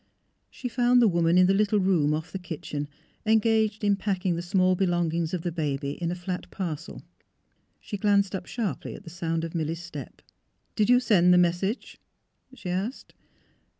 She found the woman in the little room off the kitchen engaged in packing the small belong ings of the baby in a flat parceL She glanced up sharply at sound of Milly's step. ^' Did you send the message? " she asked.